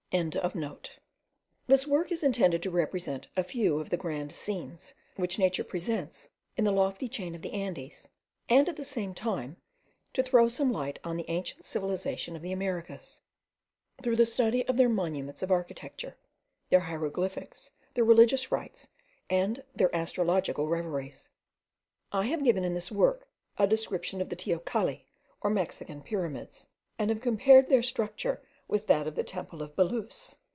This work is intended to represent a few of the grand scenes which nature presents in the lofty chain of the Andes, and at the same time to throw some light on the ancient civilization of the Americans, through the study of their monuments of architecture, their hieroglyphics, their religious rites, and their astrological reveries. I have given in this work a description of the teocalli, or Mexican pyramids, and have compared their structure with that of the temple of Belus.